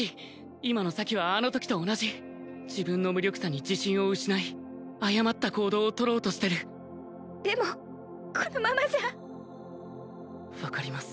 今の咲はあのときと同じ自分の無力さに自信を失い誤った行動を取ろうとしてるでもこのままじゃ分かります